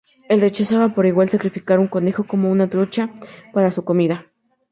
Él rechazaba por igual sacrificar un conejo como una trucha para su comida.